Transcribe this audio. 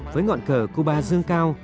với ngọn cờ cuba dương cao